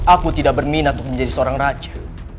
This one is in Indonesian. aku tidak berminat untuk menjadi seorang raja